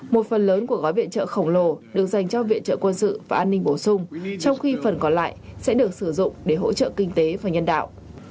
một phần lớn của gói viện trợ khổng lồ được dành cho viện trợ quân sự và an ninh bổ sung trong khi phần còn lại sẽ được sử dụng để hỗ trợ kinh tế và nhân đạo